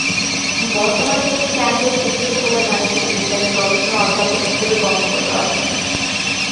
বর্তমানে তিনি কেমব্রিজ বিশ্ববিদ্যালয়ে গাণিতিক বিজ্ঞানের গবেষণা অধ্যাপক হিসেবে কর্মরত আছেন।